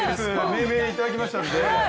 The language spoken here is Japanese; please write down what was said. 命名いただきましたので。